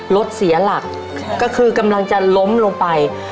รถเสียหลักก็คือกำลังจะล้มลงไป